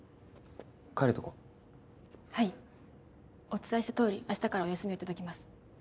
お伝えしたとおり明日からお休みを頂きます。